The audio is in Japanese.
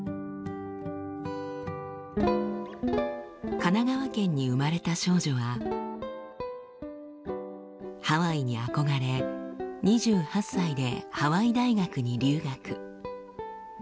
神奈川県に生まれた少女はハワイに憧れ２８歳でハワイ大学に留学。